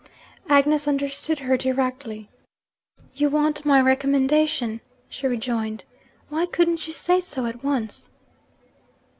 Agnes understood her directly. 'You want my recommendation,' she rejoined. 'Why couldn't you say so at once?'